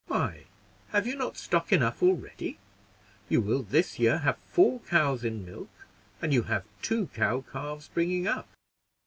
"Why, have you not stock enough already? You will this year have four cows in milk, and you have two cow calves bringing up."